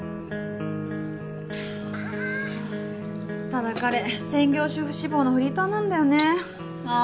ただ彼専業主夫志望のフリーターなんだよねああ